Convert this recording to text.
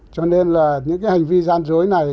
cho nên là những cái hành vi gian dối này